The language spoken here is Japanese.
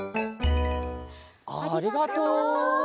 ありがとう！